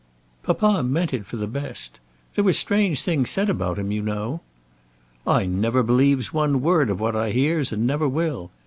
"Papa meant it for the best. There were strange things said about him, you know." "I never believes one word of what I hears, and never will.